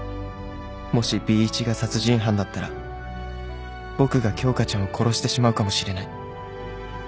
もし Ｂ 一が殺人犯だったら僕が京花ちゃんを殺してしまうかもしれない